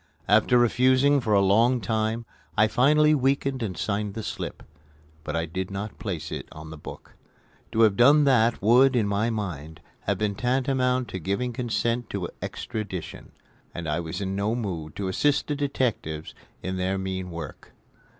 After refusing for a long time I finally weakened and signed the slip; but I did not place it on the book. To have done that would, in my mind, have been tantamount to giving consent to extradition; and I was in no mood to assist the detectives in their mean work.